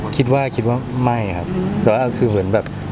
คิดว่าค็ะ